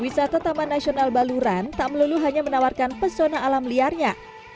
wisata taman nasional baluran tak melulu hanya menawarkan pesona alam liarnya